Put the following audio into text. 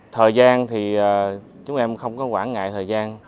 thời gian thì chúng em không có quản ngại thời gian